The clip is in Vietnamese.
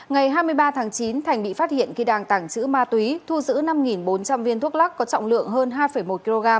ngày hai mươi ba tháng chín thành bị phát hiện khi đang tàng trữ ma túy thu giữ năm bốn trăm linh viên thuốc lắc có trọng lượng hơn hai một kg